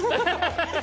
ハハハハ！